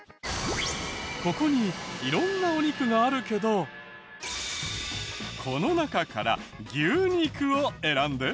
ここに色んなお肉があるけどこの中から牛肉を選んで。